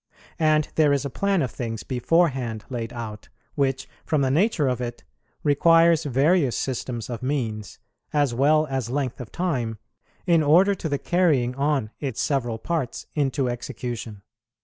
And there is a plan of things beforehand laid out, which, from the nature of it, requires various systems of means, as well as length of time, in order to the carrying on its several parts into execution.